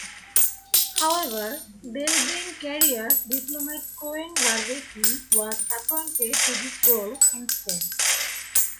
However Belgian career diplomat Koen Vervaeke was appointed to this role instead.